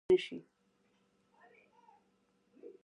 افغانستان تر هغو نه ابادیږي، ترڅو دا ملت سوکاله نشي.